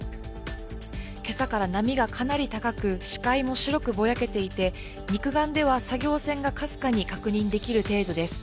今朝から波がかなり高く視界も白くぼやけていて肉眼では作業船がかすかに確認できる程度です。